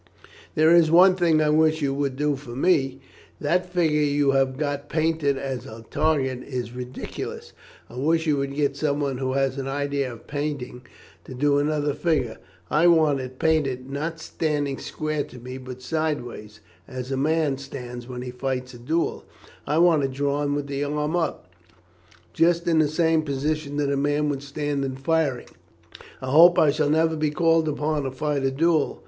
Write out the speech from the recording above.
"There is one thing I wish you would do for me that figure you have got painted as a target is ridiculous. I wish you would get some one who has an idea of painting to do another figure. I want it painted, not standing square to me, but sideways, as a man stands when he fights a duel. I want it drawn with the arm up, just in the same position that a man would stand in firing. I hope I shall never be called upon to fight a duel.